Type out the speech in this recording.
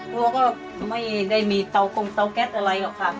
กลัวก็ไม่ได้มีเตากงเตาแก๊สอะไรหรอกค่ะ